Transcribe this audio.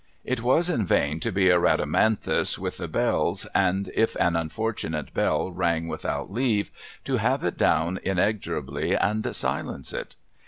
It was in vain to be a Rhadamantluis with the bells, and if an unfortunate bell rang without leave, to have it down inexorably and silence it.